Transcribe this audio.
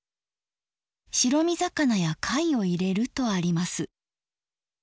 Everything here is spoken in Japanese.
白身魚や貝を入れるとあります。